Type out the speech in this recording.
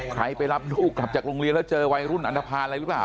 ไปรับลูกกลับจากโรงเรียนแล้วเจอวัยรุ่นอันทภาณอะไรหรือเปล่า